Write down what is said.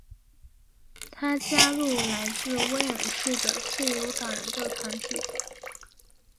他加入来自威尔士的自由党人的团体。